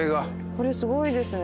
これすごいですね。